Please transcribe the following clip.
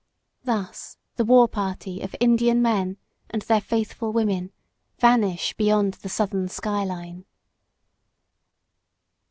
Thus the war party of Indian men and their faithful women vanish beyond the southern skyline.